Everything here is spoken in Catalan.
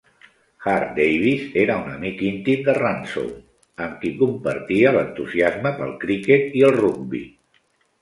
Hart-Davis era un amic íntim de Ransome, amb qui compartia l'entusiasme pel criquet i el rugbi.